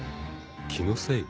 ［気のせい？